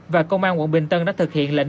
vì cáo ngô ngọc an hai năm tù giam